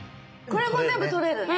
これもう全部取れるね。